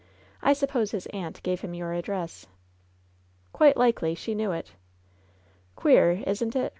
I suppose his aunt gave him your address." "Quite likely. She knew it." "Queer, isn't it